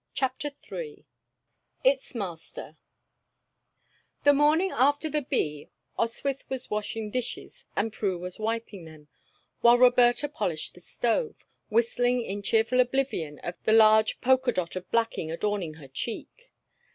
CHAPTER THREE ITS MASTER The morning after the bee Oswyth was washing dishes and Prue was wiping them, while Roberta polished the stove, whistling in cheerful oblivion of the large polka dot of blacking adorning her cheek.